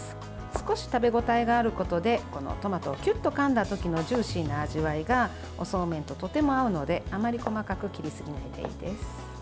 少し食べ応えがあることでトマトをキュッとかんだ時のジューシーな味わいがおそうめんととても合うのであまり細かく切りすぎないでいいです。